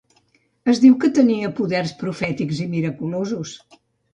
Es diu que tenia poders profètics i miraculosos.